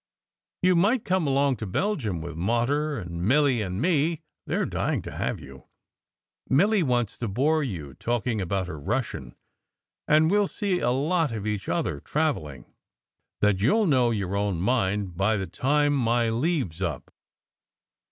You might come along to Belgium with mater and Milly and me they re dying to have you. Milly wants to bore you talking about her Russian and we ll see such a lot of each other, travelling, that you ll know your own mind by the time my leave s up.